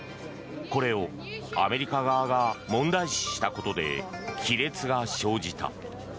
これをアメリカ側が問題視したことで亀裂が生じた。